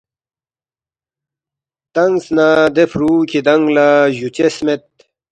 تنگس نہ دی فرُو کِھدانگ لہ جُوچس مید